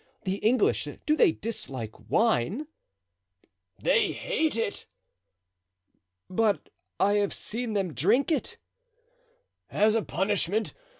The English—do they dislike wine?" "They hate it." "But I have seen them drink it." "As a punishment.